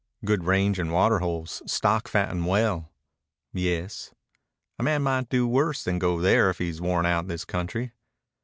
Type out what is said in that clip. "Good range and water holes. Stock fatten well." "Yes." "A man might do worse than go there if he's worn out this country."